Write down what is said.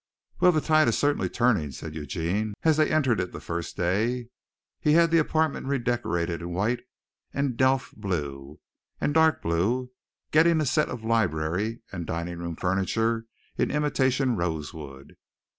"Well, the tide is certainly turning," said Eugene, as they entered it the first day. He had the apartment redecorated in white and delft blue and dark blue, getting a set of library and dining room furniture in imitation rosewood.